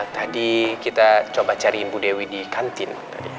tadi kita coba cari ibu dewi di kantin